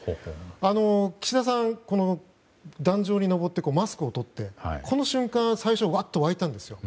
岸田さん、壇上に登ってマスクをとって、この瞬間最初わっと沸いたんです。